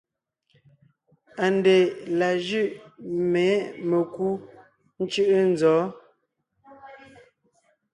ANDÈ la jʉ̂ʼ mê mekú ńcʉ̂ʼʉ nzɔ̌?